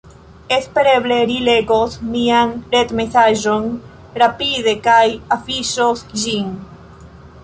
Espereble ri legos mian retmesaĝon rapide, kaj afiŝos ĝin